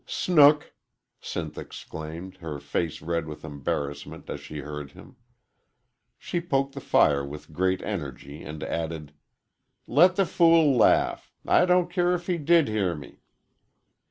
"Snook!" Sinth exclaimed, her face red with embarrassment as she heard him. She poked the fire with great energy, and added: "Let the fool laugh. I don't care if he did hear me."